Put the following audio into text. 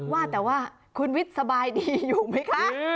ว่าแต่ว่าคุณวิทย์สบายดีอยู่ไหมคะ